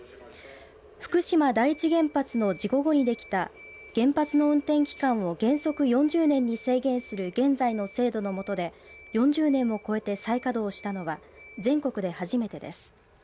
福島第一原発の事故後にできた原発の運転期間を原則４０年に制限する現在の制度のもとで４０年を超えて再稼働したのは全国で初めてです。